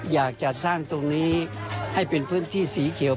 อยากจะสร้างตรงนี้ให้เป็นพื้นที่สีเขียว